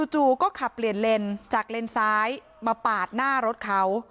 จู่ก็ขับเปลี่ยนเลนจากเลนซ้ายมาปาดหน้ารถเขา